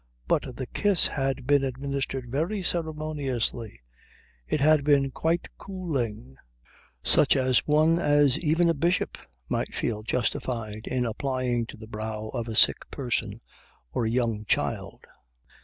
But the kiss had been administered very ceremoniously; it had been quite cooling; such a one as even a bishop might feel justified in applying to the brow of a sick person or a young child.